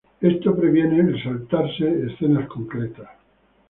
Esto previene el saltarse escenas concretas.